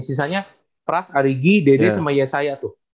sisanya pras ari gi dede sama yesaya tuh